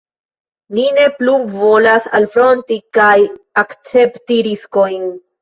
Ni ne plu volas alfronti kaj akcepti riskojn.